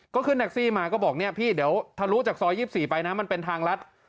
ก็ขึ้นแท็กซี่มาก็บอกพี่เดี๋ยวถ้ารู้จากซอย๒๔ไปนะมันเป็นทางลัด